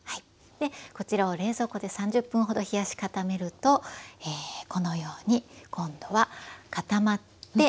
こちらを冷蔵庫で３０分ほど冷やし固めるとこのように今度は固まってきます。